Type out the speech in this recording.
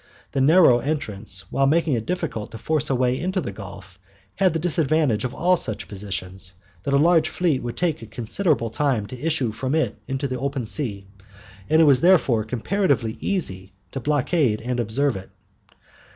The narrow entrance, while making it difficult to force a way into the Gulf, had the disadvantage of all such positions, that a large fleet would take a considerable time to issue from it into the open sea, and it was therefore comparatively easy to blockade and observe it.